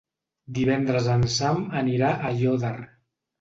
Divendres en Sam anirà a Aiòder.